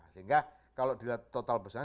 sehingga kalau dilihat total besar